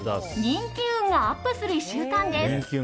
人気運がアップする１週間です。